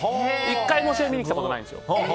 １回も試合見に来たことないんです。